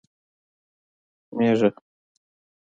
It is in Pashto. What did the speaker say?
🐑 مېږه